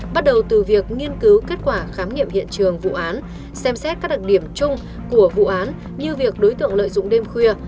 bắt đầu từ việc nghiên cứu kết quả khám nghiệm hiện trường vụ án xem xét các đặc điểm chung của vụ án như việc đối tượng lợi dụng đêm khuya